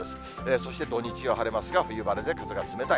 そして土日は晴れますが、冬晴れで風が冷たい。